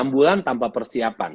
enam bulan tanpa persiapan